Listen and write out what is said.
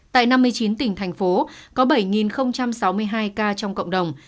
tại năm mươi chín tỉnh thành phố có bảy sáu mươi hai ca trong cộng đồng